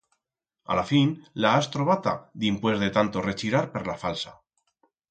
A la fin la has trobata dimpués de tanto rechirar per la falsa.